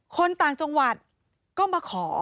คนต่างจังหวัดก็มาขอ